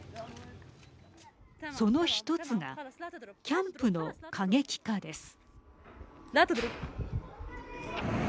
その１つがキャンプの過激化です。